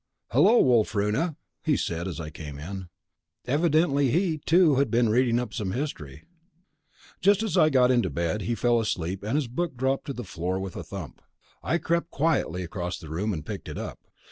"Hello, Wulfruna!" he said, as I came in. Evidently he, too, had been reading up some history. Just as I got into bed he fell asleep and his book dropped to the floor with a thump. I crept quietly across the room and picked it up.